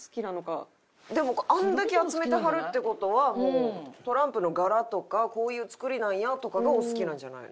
でもあんだけ集めてはるって事はもうトランプの柄とか「こういう作りなんや」とかがお好きなんじゃないの？